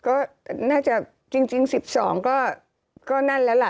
ก็น่าจะจริง๑๒ก็นั่นแล้วล่ะ